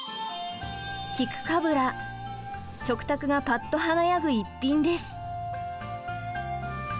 食卓がぱっと華やぐ一品です。